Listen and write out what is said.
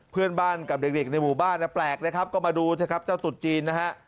เพื่อนบ้านกับเด็กในหมู่บ้านแปลกนะครับก็มาดูเถอะครับเจ้าตุ๊จีนนะฮะ